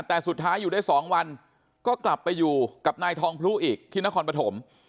แต่สุดท้ายอยู่ได้๒วันก็กลับไปอยู่กับนายทองพลุอีกที่นครปฐม